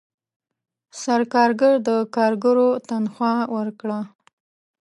سرکارګر د کارګرو تنخواه ورکړه.